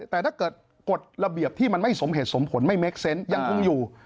แต่ถ้าเกิดกฎระเบียบที่มันไม่สมเหตุสมผลไม่เค็กเซนต์ยังคงอยู่